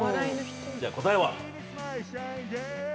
じゃ答えは？